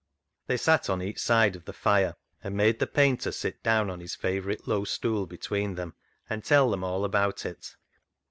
They sat on each side of the fire, and made the painter sit down on his favourite low stool between them and tell them all about it.